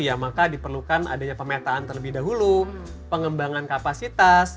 ya maka diperlukan adanya pemetaan terlebih dahulu pengembangan kapasitas